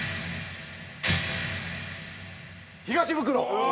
東ブクロ。